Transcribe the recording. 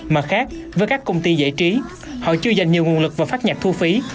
mặt khác với các công ty giải trí họ chưa dành nhiều nguồn lực và phát nhạc thu phí